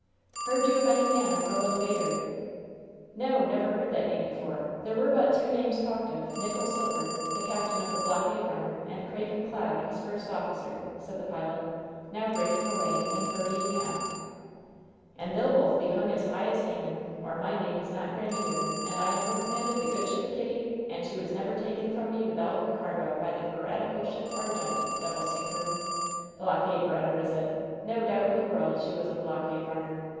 "Heard you of any man of Roland Bayard?" "No! never heard that name before! There were but two names talked of — ^Nichol Silver, the captain of the blockade runner, and Craven Cloud, his first officer," said the pilot, now breaking away and hurrying aft. "And they'll both be hung as high as Haman, or my name is not Grandiere, and I never commanded the good ship Kitty, and she was never taken from me, with all her cargo, by the piratical craft Argente, devil sink her! Blockade runner, is it? No doubt in the world she was a blockade runner!